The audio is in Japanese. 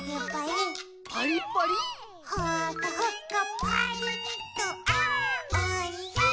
「ほかほかパリッとあーおいしい！」